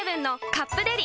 「カップデリ」